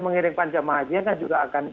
mengirimkan jamaah haji juga akan